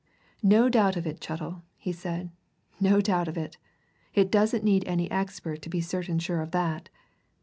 "No doubt of it, Chettle," he said. "No doubt of it! It doesn't need any expert to be certain sure of that.